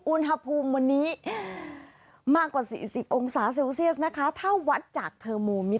อุณหภูมิวันนี้